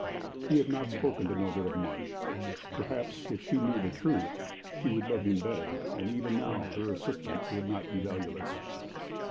He had not spoken to Mildred of Marsh. Perhaps if she knew the truth, she would love him better, and even now her assistance would not be valueless.